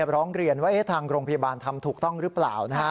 ร้องเรียนว่าทางโรงพยาบาลทำถูกต้องหรือเปล่า